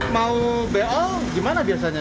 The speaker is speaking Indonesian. mau beol gimana biasanya